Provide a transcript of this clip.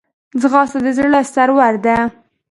ځغاسته د زړه سرور ده